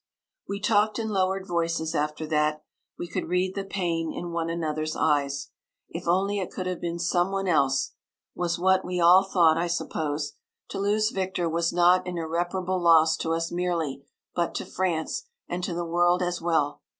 We talked in lowered voices after that; we could read the pain in one another's eyes. If only it could have been some one else, was what we all thought, I suppose. To lose Victor was not an irreparable loss to us merely, but to France, and to the world as well.